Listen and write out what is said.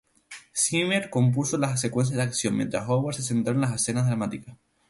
Zimmer compuso las secuencias de acción, mientras Howard se centró en las escenas dramáticas.